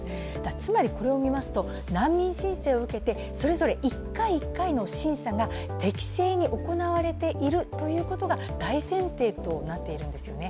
つまりこれを見ますと難民申請を、１回１回の申請が適正に行われているということが大前提となっているんですよね。